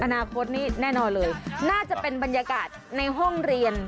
อนาคตนี้แน่นอนเลยน่าจะเป็นบรรยากาศในห้องเรียน